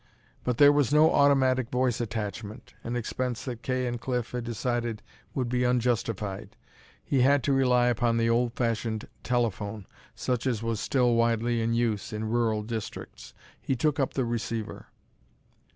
But there was no automatic voice attachment, an expense that Kay and Cliff had decided would be unjustified. He had to rely upon the old fashioned telephone, such as was still widely in use in rural districts. He took up the receiver.